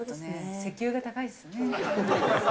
石油が高いっすね。